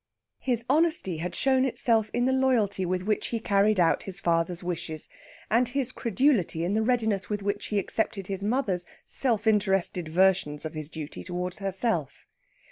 His honesty had shown itself in the loyalty with which he carried out his father's wishes, and his credulity in the readiness with which he accepted his mother's self interested versions of his duty towards herself.